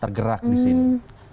tergerak di sini